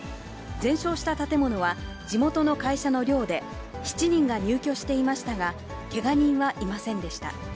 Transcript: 全焼した建物は地元の会社の寮で、７人が入居していましたが、けが人はいませんでした。